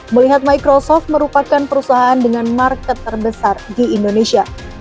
melihat microsoft merupakan perusahaan dengan market terbesar di indonesia